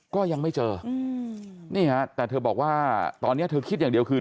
ก็ยังไม่เจอนี่ฮะแต่เธอบอกว่าตอนนี้เธอคิดอย่างเดียวคือ